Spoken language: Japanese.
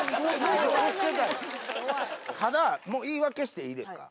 ただ言い訳していいですか？